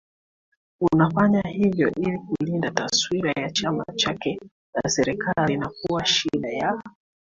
Anafanya hivyo ili kulinda taswira ya chama chake na Serikali na kuwa shida ya